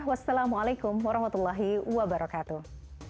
wassalamualaikum warahmatullahi wabarakatuh